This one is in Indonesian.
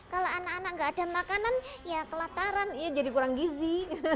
kalau anak anak nggak ada makanan ya kelataran ya jadi kurang gizi